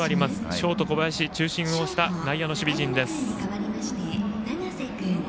ショート、小林を中心とした内野の守備陣です。